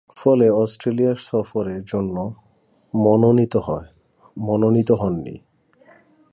ফলে অস্ট্রেলিয়া সফরের জন্য মনোনীত হননি।